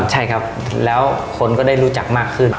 ใช่ครับแล้วคนก็ได้รู้จักมากขึ้น